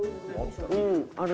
うんある。